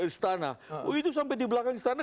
istana oh itu sampai di belakang istana